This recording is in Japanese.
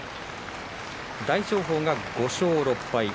大翔鵬、５勝６敗。